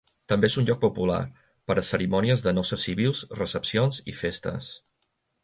També és un lloc popular per a cerimònies de noces civils, recepcions i festes.